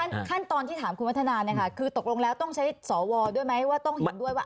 ขั้นตอนที่ถามคุณวัฒนาเนี่ยค่ะคือตกลงแล้วต้องใช้สวด้วยไหมว่าต้องเห็นด้วยว่า